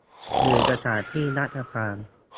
หรือสถานที่ราชการ